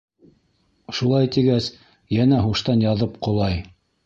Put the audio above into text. Шулай тигәс, йәнә һуштан яҙып ҡолай.